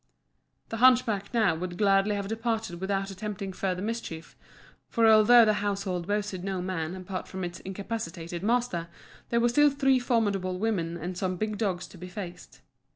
The hunchback now would gladly have departed without attempting further mischief; for although the household boasted no man apart from its incapacitated master, there were still three formidable women and some big dogs to be faced.